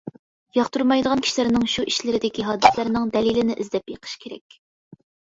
ياقتۇرمايدىغان كىشىلەرنىڭ شۇ ئىشلىرىدىكى ھادىسىلەرنىڭ دەلىلىنى ئىزدەپ بېقىش كېرەك.